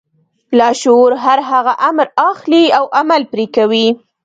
لاشعور هر هغه امر اخلي او عمل پرې کوي.